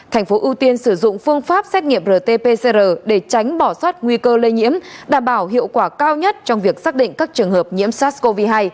thành phố ưu tiên sử dụng phương pháp xét nghiệm rt pcr để tránh bỏ sót nguy cơ lây nhiễm đảm bảo hiệu quả cao nhất trong việc xác định các trường hợp nhiễm sars cov hai